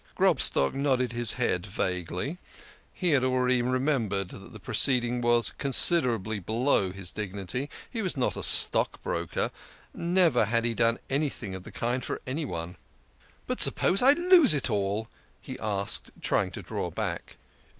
Grobstock nodded his head vaguely. He had already remembered that the proceeding was considerably below his dignity ; he was not a stockbroker, never had he done anything of the kind for anyone. " But suppose I lose it all? " he asked, trying to draw back.